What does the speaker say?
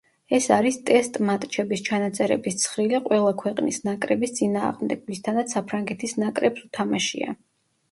ეს არის ტესტ მატჩების ჩანაწერების ცხრილი ყველა ქვეყნის ნაკრების წინააღმდეგ, ვისთანაც საფრანგეთის ნაკრებს უთამაშია.